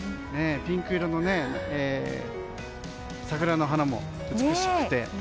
ピンク色の桜の花も美しくて。